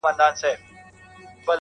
دا چي هارون لا هم ډېر مزل